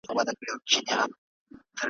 چي پیدا سوې، ویل “لور دبل دکور وي”